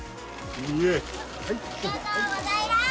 ありがとうございます！